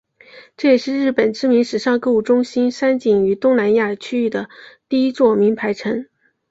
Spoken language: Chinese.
这也是日本知名时尚购物中心三井于东南亚区域的第一座名牌城。